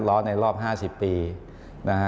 ร้อนในรอบ๕๐ปีนะครับ